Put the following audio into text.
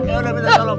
ya udah minta tolong